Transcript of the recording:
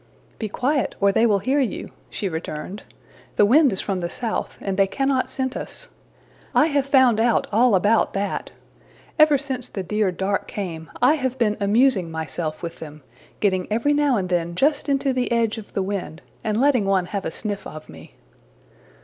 ``Be quiet, or they will hear you,'' she returned. ``The wind is from the south, and they cannot scent us. I have found out all about that. Ever since the dear dark came, I have been amusing myself with them, getting every now and then just into the edge of the wind, and letting one have a sniff of me.''